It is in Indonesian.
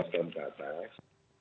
lima belas tahun ke atas